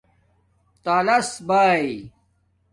تالس بائئ